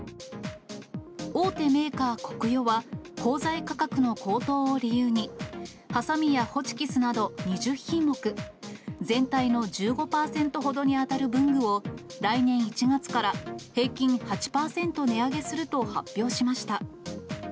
大手メーカー、コクヨは、鋼材価格の高騰を理由に、ハサミやホチキスなど２０品目、全体の１５％ほどに当たる文具を、来年１月から平均８％値上げすると発表しました。